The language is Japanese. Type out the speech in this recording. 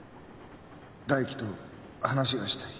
大樹と話がしたい。